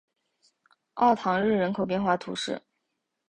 奥唐日人口变化图示